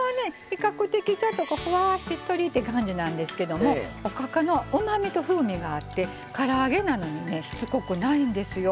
比較的ちょっとふわっしっとりって感じなんですけどおかかのうまみと風味があってから揚げなのにねしつこくないんですよ。